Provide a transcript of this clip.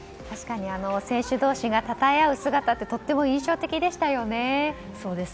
確かに選手同士がたたえ合う姿ってとても印象的でしたよね。